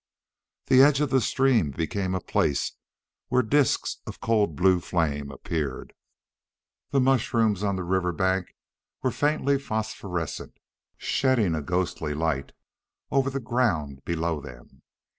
The edge of the stream became a place where disks of cold blue flame appeared. The mushrooms on the river bank were faintly phosphorescent, shedding a ghostly light over the ground below them.